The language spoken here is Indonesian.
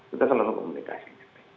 kita selalu komunikasi